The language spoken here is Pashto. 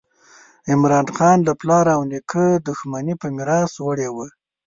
عمراخان له پلار او نیکه دښمني په میراث وړې وه.